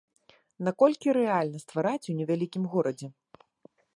Наколькі рэальна ствараць у невялікім горадзе?